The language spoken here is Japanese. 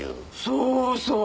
そうそう！